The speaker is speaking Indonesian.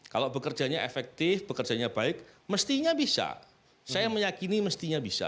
kalau bekerjanya efektif bekerjanya baik mestinya bisa